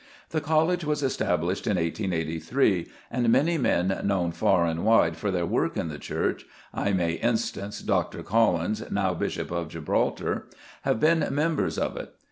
The College was established in 1883, and many men known far and wide for their work in the Church I may instance Dr. Collins, now Bishop of Gibraltar have been members of it.